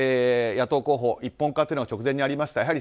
野党候補一本化というのが直前にありました。